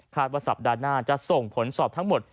ว่าสัปดาห์หน้าจะส่งผลสอบทั้งหมด